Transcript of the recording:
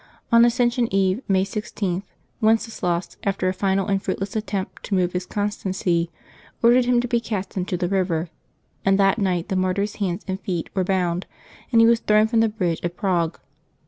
On Ascension Eve, May 16, Wenceslas, after a final and fruit less attempt to move his constancy, ordered him to be cast into the river, and that night the martyr's hands and feet were bound, and he was thrown from the bridge of Prague.